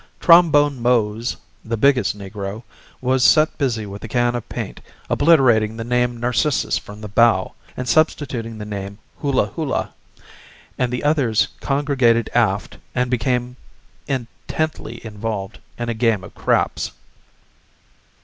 Trombone Mose, the biggest negro, was set busy with a can of paint obliterating the name Narcissus from the bow, and substituting the name Hula Hula, and the others congregated aft and became intently involved in a game of craps.